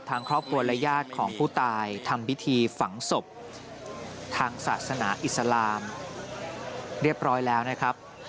ทางครอบครัวและญาติของผู้ตายทำพิธีฝังศพทางศาสนาอิสลามเรียบร้อยแล้วนะครับ